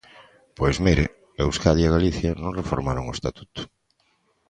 Pois mire, Euskadi e Galicia non reformaron o Estatuto.